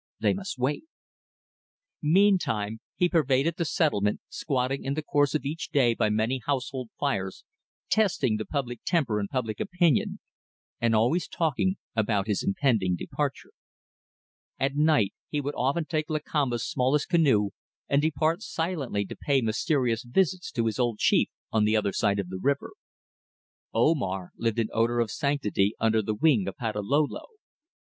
They must wait. Meantime he pervaded the settlement, squatting in the course of each day by many household fires, testing the public temper and public opinion and always talking about his impending departure. At night he would often take Lakamba's smallest canoe and depart silently to pay mysterious visits to his old chief on the other side of the river. Omar lived in odour of sanctity under the wing of Patalolo.